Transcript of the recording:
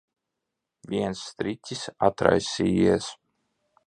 Viens striķis atraisījies.